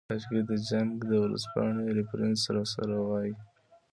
کاشکې د جنګ د ورځپاڼې ریفرنس راسره وای.